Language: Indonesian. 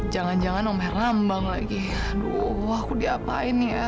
jangan jangan om herambang lagi aduh aku diapain ya